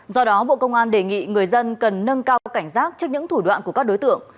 do đó bộ công an đề nghị người dân cần nâng cao cảnh giác trước những thủ đoạn của các đối tượng